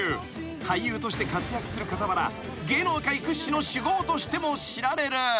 ［俳優として活躍する傍ら芸能界屈指の酒豪としても知られる］